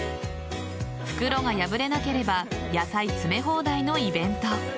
袋が破れなければ野菜詰め放題のイベント。